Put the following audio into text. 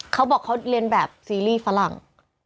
เขาบอกเขาเรียนแบบซีรีส์ฝรั่ง